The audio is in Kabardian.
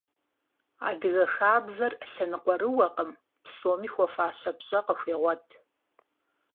Адыгэ хабзэр лъэныкъуэрыуэкъым, псоми хуэфащэ пщӀэ къыхуегъуэт.